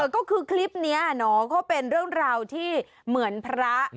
ก็คือคลิปนี้เนาะก็เป็นเรื่องราวที่เหมือนพระ